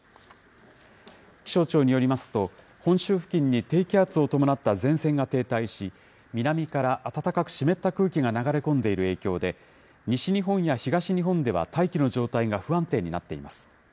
気象庁によりますと、本州付近に低気圧を伴った前線が停滞し、南から暖かく湿った空気が流れ込んでいる影響で、西日本や東日本では大気の状態が不安定になっています。